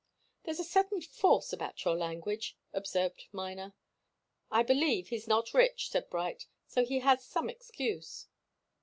"There's a certain force about your language," observed Miner. "I believe he's not rich," said Bright. "So he has an excuse."